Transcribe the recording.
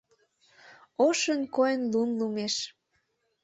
Ошын койын лум лумеш